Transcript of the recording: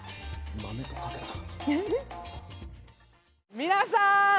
豆と掛けた。